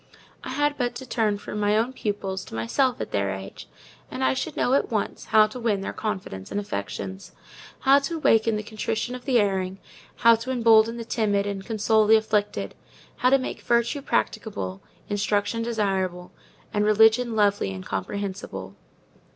I had but to turn from my little pupils to myself at their age, and I should know, at once, how to win their confidence and affections: how to waken the contrition of the erring; how to embolden the timid and console the afflicted; how to make Virtue practicable, Instruction desirable, and Religion lovely and comprehensible.